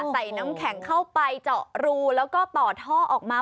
ใส่น้ำแข็งเข้าไปเจาะรูแล้วก็ต่อท่อออกมา